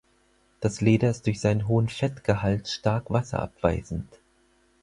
Das Leder ist durch seinen hohen Fettgehalt stark wasserabweisend.